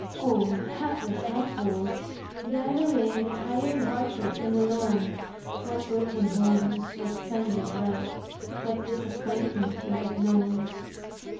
Oh, hapless household, gather in The tired hearted and the lone! What broken homes, what sundered love, What disappointment you have known!